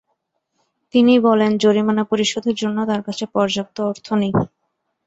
তিনি বলেন, জরিমানা পরিশোধের জন্য তাঁর কাছে পর্যাপ্ত অর্থ অর্থ নেই।